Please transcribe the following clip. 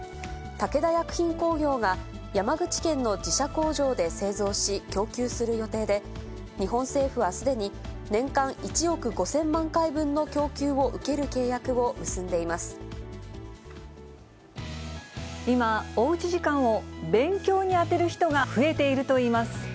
武田薬品工業が、山口県の自社工場で製造し、供給する予定で、日本政府はすでに、年間１億５０００万回分の供給を受ける契今、おうち時間を勉強に充てる人が増えているといいます。